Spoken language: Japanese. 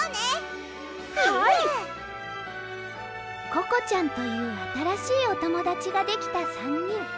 ココちゃんというあたらしいおともだちができた３にん。